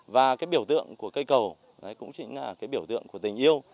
và biểu tượng của cây cầu cũng chính là biểu tượng của tình yêu